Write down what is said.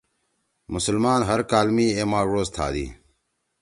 مسلمان ہر کال می اے ماہ ڙوز تھادی۔